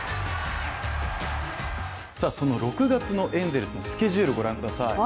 じゃあその６月のエンゼルスのスケジュールをご覧ください。